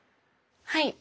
はい。